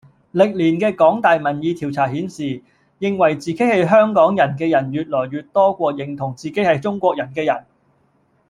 歷年嘅港大民意調查顯示，認為自己係香港人嘅人越來越多過認同自己係中國人嘅人。